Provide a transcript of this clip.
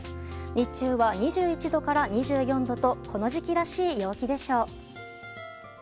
日中は２１度から２４度とこの時期らしい陽気でしょう。